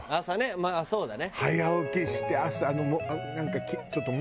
まあそうだね。